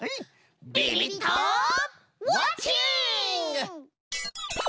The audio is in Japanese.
ビビッとウォッチング！